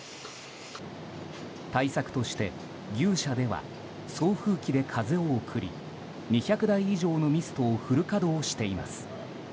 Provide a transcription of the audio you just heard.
対策として牛舎では送風機で風を送り２００台以上のミストをフル稼働しています。